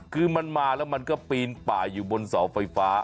คือมันมาแล้วมันก็ปีนป่าอยู่บนเสาไฟฟ้า